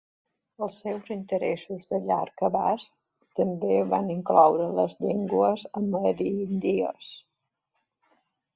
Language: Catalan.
Els seus interessos de llarg abast també van incloure les llengües ameríndies.